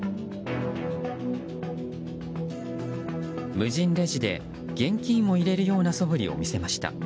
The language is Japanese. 無人レジで現金を入れるようなそぶりを見せました。